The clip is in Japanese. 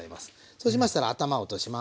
そうしましたら頭を落とします。